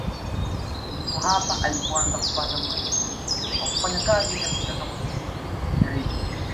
Ndipo hapo alipoanza kupata mwaliko wa kufanya kazi katika kampuni ya Redio